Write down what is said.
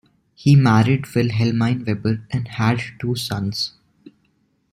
He married Wilhelmine Weber and had two sons.